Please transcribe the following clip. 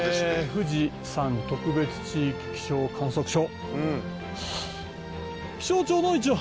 「富士山特別地域気象観測所」